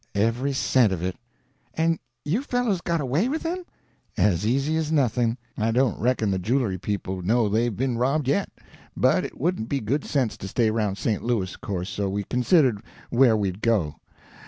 "Every cent of it." "And you fellows got away with them?" "As easy as nothing. I don't reckon the julery people know they've been robbed yet. But it wouldn't be good sense to stay around St. Louis, of course, so we considered where we'd go.